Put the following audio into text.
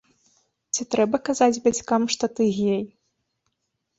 Ці трэба казаць бацькам, што ты гей?